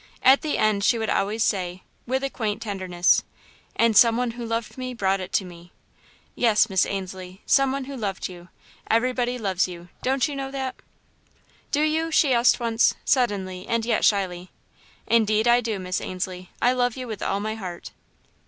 At the end she would always say, with a quiet tenderness: "and some one who loved me brought it to me!" "Yes, Miss Ainslie; some one who loved you. Everybody loves you; don't you know that?" "Do you?" she asked once, suddenly and yet shyly. "Indeed I do, Miss Ainslie I love you with all my heart."